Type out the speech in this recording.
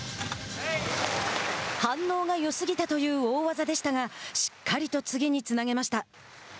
「反応がよすぎた」という大技でしたがしっかりと次につなげました。